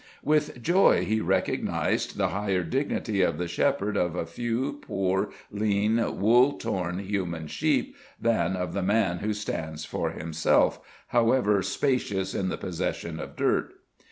With joy he recognized the higher dignity of the shepherd of a few poor, lean, wool torn human sheep, than of the man who stands for himself, however "spacious in the possession of dirt."